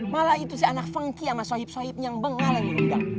malah itu si anak fengki sama sohib sohibnya yang bengal lagi diundang